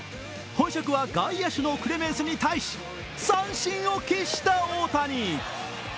本職は外野手のクレメンスに対し三振を喫した大谷。